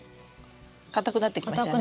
かたくなってきましたね。